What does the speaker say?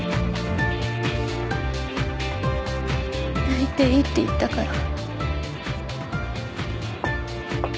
泣いていいって言ったから。